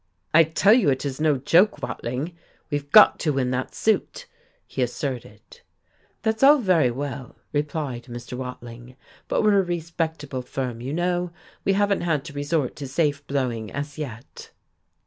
"I tell you it is no joke, Watling, we've got to win that suit," he asserted. "That's all very well," replied Mr. Watling. "But we're a respectable firm, you know. We haven't had to resort to safe blowing, as yet."